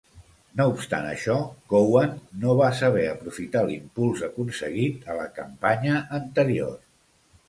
No obstant això, Cowan no va saber aprofitar l"impuls aconseguit a la campanya anterior.